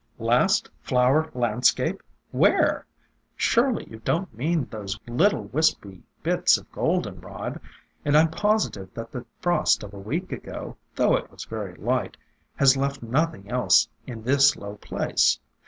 " Last flower landscape ? Where ? Surely you don't mean those little wispy bits of Goldenrod, and I 'm positive that the frost of a week ago, 328 AFTERMATH though it was very light, has left nothing else in this low place.